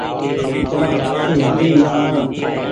چآن آڇي هيتي يا نآ۔